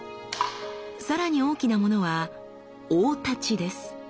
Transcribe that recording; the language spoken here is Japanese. さらに大きなものは「大太刀」です。